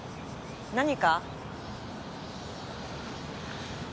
何か？